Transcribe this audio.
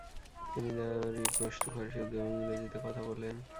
তিনি দারি, পশতু, ফার্সি, উর্দু এবং ইংরেজিতে কথা বলেন।